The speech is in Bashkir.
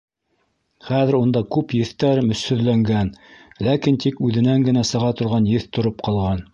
Хәҙер унда күп еҫтәр мөсһөҙләнгән, ләкин тик үҙенән генә сыға торған еҫ тороп ҡалған.